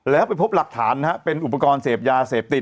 แล้วไปพบหลักฐานนะฮะเป็นอุปกรณ์เสพยาเสพติด